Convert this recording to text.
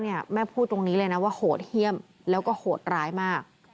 แต่คนร้ายแม่พูดตรงนี้เลยนะว่าโหดเฮียมแล้วก็โหดร้ายมาก